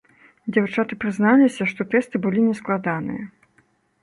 Дзяўчаты прызналіся, што тэсты былі не складаныя.